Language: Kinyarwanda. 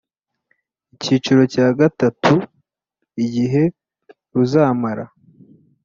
Icyiciro cya gatatu Igihe ruzamara